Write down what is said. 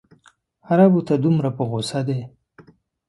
عربو ته دومره په غوسه دی.